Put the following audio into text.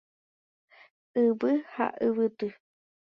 Yvy ha yvyty.